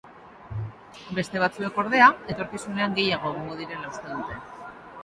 Beste batzuek, ordea, etorkizunean gehiago egongo direla uste dute.